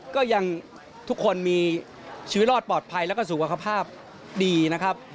ก็ยังทุกคนมีชีวิตรอดปลอดภัยแล้วก็สุขภาพดีนะครับ